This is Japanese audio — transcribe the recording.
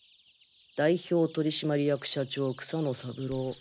代表取締役社長草野三郎。